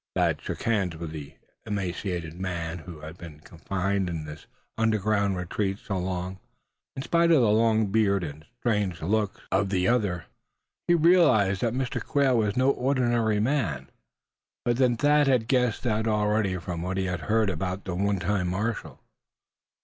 Thad shook hands with the emaciated man who had been confined in this underground retreat so long. In spite of the long beard and strange looks of the other, he realized that Mr. Quail was no ordinary man. But then Thad had guessed that already, from what he had heard about the one time marshal.